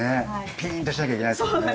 ピーンとしなきゃいけないですからね。